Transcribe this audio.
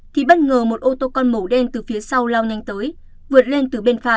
thì bất ngờ một ô tô con màu đen từ phía sau lao nhanh tới vượt lên từ bên phải